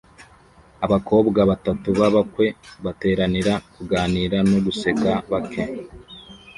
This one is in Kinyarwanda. Abakobwa batatu b'abakwe bateranira kuganira no guseka bake